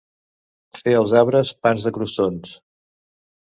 Fer els arbres pans de crostons.